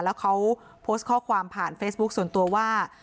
แล้วเขาโพสต์ข้อความผ่านเฟซบุ๊คส่วนตัวว่า